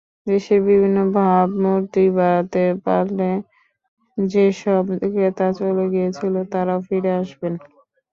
দেশের ভাবমূর্তি বাড়াতে পারলে যেসব ক্রেতা চলে গিয়েছিলেন, তাঁরাও ফিরে আসবেন।